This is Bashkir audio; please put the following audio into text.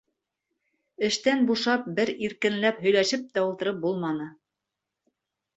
Эштән бушап, бер иркенләп һөйләшеп тә ултырып булманы.